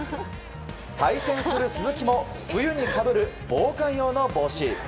対戦する鈴木も、冬にかぶる防寒用の帽子。